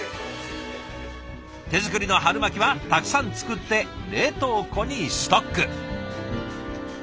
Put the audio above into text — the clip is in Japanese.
手作りの春巻きはたくさん作って冷凍庫にストック。